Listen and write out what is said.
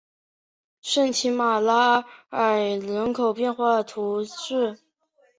圣马丁拉尔人口变化图示